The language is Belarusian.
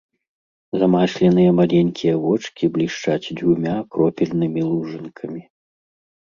Замасленыя маленькія вочкі блішчаць дзвюма кропельнымі лужынкамі.